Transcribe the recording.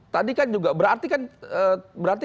tadi kan juga berarti